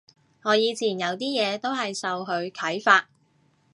我以前有啲嘢都係受佢啓發